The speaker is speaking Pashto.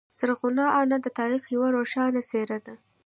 زرغونه انا د تاریخ یوه روښانه څیره ده.